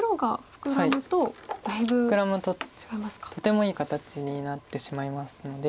フクラむととてもいい形になってしまいますので。